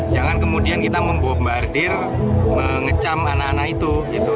jangan kemudian kita membombardir mengecam anak anak itu